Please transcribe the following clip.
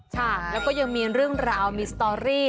ค่ะแล้วก็ยังมีเรื่องราวมีสตอรี่